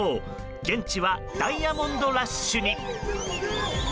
現地はダイヤモンドラッシュに。